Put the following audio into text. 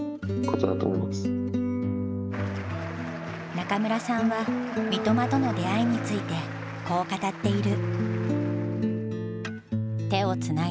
中村さんは三笘との出会いについてこう語っている。